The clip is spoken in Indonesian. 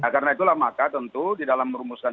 karena itulah maka tentu di dalam merumuskan